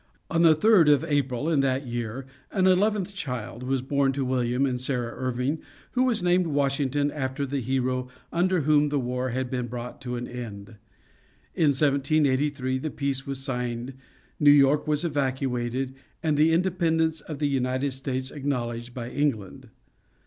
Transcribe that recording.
On the 3rd of April in that year an eleventh child was born to William and Sarah Irving, who was named Washington, after the hero under whom the war had been brought to an end. In 1783 the peace was signed, New York was evacuated, and the independence of the United States acknowledged by England.